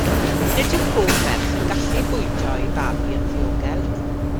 Nid yw pob merch yn gallu bwydo ei babi yn ddiogel.